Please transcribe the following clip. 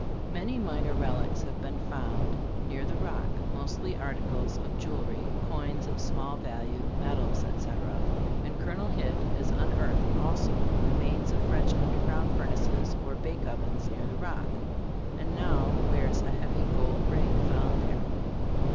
Many minor relics have been found near the Rock, mostly articles of jewelry, coins of small value, medals, etc. ; and Col. Hitt has unearthed also remains of French underground furnaces or bake ovens near the Rock, and now wears a heavy gold ring found there.